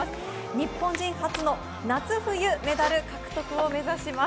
日本人初の夏、冬メダル獲得を目指します。